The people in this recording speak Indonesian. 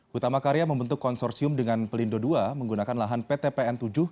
hutama akaria membentuk konsorsium dengan pelindo ii menggunakan lahan ptpn tujuh